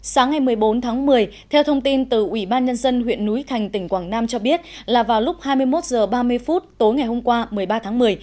sáng ngày một mươi bốn tháng một mươi theo thông tin từ ủy ban nhân dân huyện núi thành tỉnh quảng nam cho biết là vào lúc hai mươi một h ba mươi phút tối ngày hôm qua một mươi ba tháng một mươi